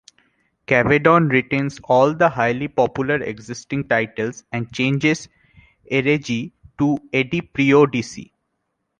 Cavedon retains all the highly popular existing titles and changes Erregi to Ediperiodici.